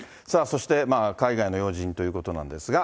そして、海外の要人ということなんですが。